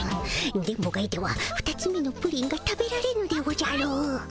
電ボがいてはふたつめのプリンが食べられぬでおじゃる。